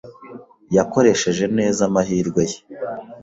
Yakoresheje neza amahirwe ye.